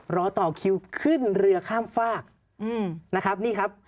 รอต่อคิวขึ้นเรือข้ามฝากนะครับนี่ครับ